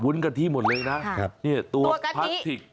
เป็นวุ้นกะทิหมดเลยนะตัวกะทิ